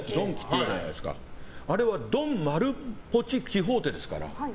あれはドン・キホーテですから。